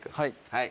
はい。